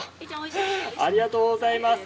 ありがとうございます。